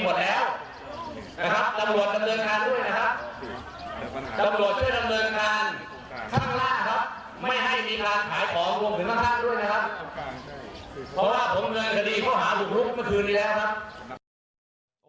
เพราะว่าผมเนินคดีเขาหาถูกลุกเมื่อคืนดีแล้วครับ